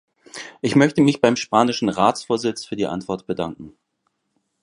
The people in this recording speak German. Ich möchte mich beim spanischen Ratsvorsitz für die Antwort bedanken.